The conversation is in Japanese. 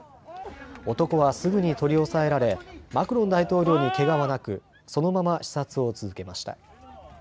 男はすぐに取り押さえられマクロン大統領にけがはなくそのまま視察を続けました。